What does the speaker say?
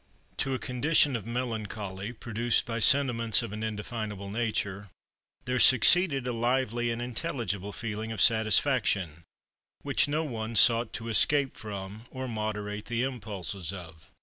To a condition of melancholy produced by sentiments of an indefinable nature there succeeded a lively and intelligible feeling of satisfaction which no one sought to escape from or moderate the impulses of.